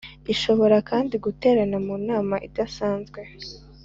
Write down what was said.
Ishobora kandi guterana mu nama idasanzwe